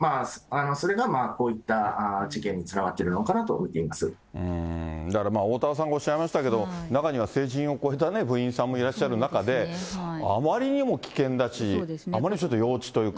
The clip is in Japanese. それがこういった事件につながっだからおおたわさんがおっしゃいましたけども、中には成人を超えた部員さんもいらっしゃる中で、あまりにも危険だし、あまりにも幼稚というか。